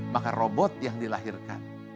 maka robot yang dilahirkan